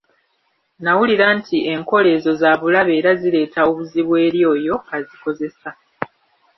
Nawulira nti enkola ezo za bulabe era zireeta obuzibu eri oyo azikozesa.